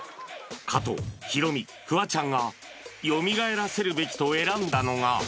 加藤、ヒロミ、フワちゃんがよみがえらせるべきと選んだのが。